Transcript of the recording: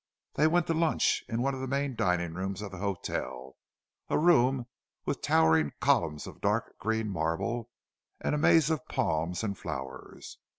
They went to lunch in one of the main dining rooms of the hotel, a room with towering columns of dark green marble and a maze of palms and flowers.